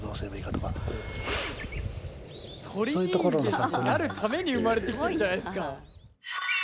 鳥人間になるために生まれてきてるじゃないですか。